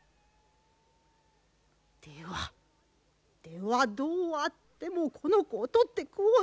ではではどうあってもこの子を取って食おうと。